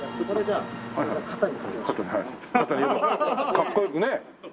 かっこよくね！